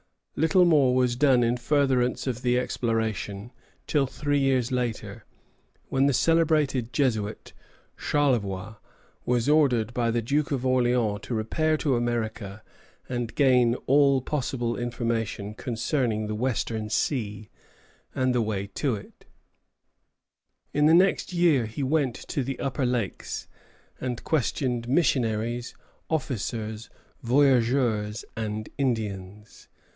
Little more was done in furtherance of the exploration till three years later, when the celebrated Jesuit, Charlevoix, was ordered by the Duke of Orléans to repair to America and gain all possible information concerning the Western Sea and the way to it. [Footnote: Charlevoix au Comte de Morville, 1 Avril, 1723.] In the next year he went to the Upper Lakes, and questioned missionaries, officers, voyageurs, and Indians.